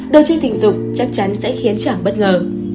đồ chơi tình dục chắc chắn sẽ khiến chẳng bất ngờ